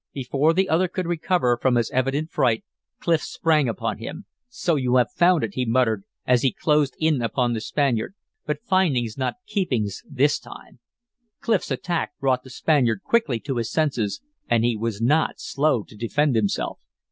Before the other could recover from his evident fright, Clif sprang upon him. "So you have found it!" he muttered, as he closed in upon the Spaniard, "but finding's not keeping's this time." Clif's attack brought the Spaniard quickly to his senses, and he was not slow to defend himself.